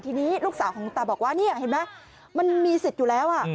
ทีนี้ลูกสาวของคุณตาบอกว่านี่เห็นไหมมันมีสิทธิ์อยู่แล้ว